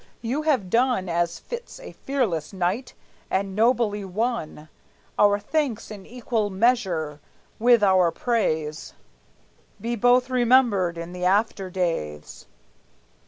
You have done As fits a fearless knight, and nobly won Our thanks in equal measure with our praise. Be both remembered in the after days!"